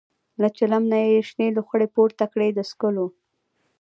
له چلم نه یې شنې لوخړې پورته کړې د څکلو.